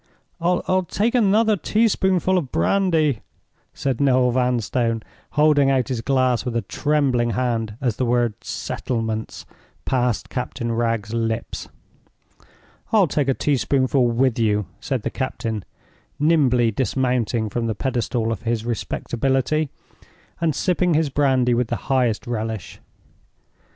"I'll take another teaspoonful of brandy," said Noel Vanstone, holding out his glass with a trembling hand as the word "settlements" passed Captain Wragge's lips. "I'll take a teaspoonful with you," said the captain, nimbly dismounting from the pedestal of his respectability, and sipping his brandy with the highest relish.